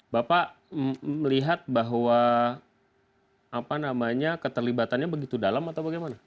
bapak melihat bahwa keterlibatannya begitu dalam atau bagaimana